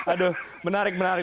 aduh menarik menarik